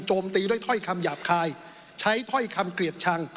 ตีด้วยถ้อยคำหยาบคายใช้ถ้อยคำเกลียดชัง